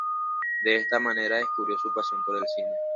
De esta manera descubrió su pasión por el cine.